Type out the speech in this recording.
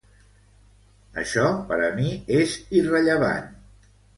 Això per a mi és irrellevant.